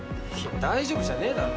大丈夫じゃねえだろ。